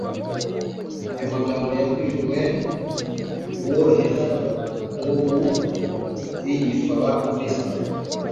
ayo magambo yabwiwe uworoheje wo mu bigishwa ba Kristo.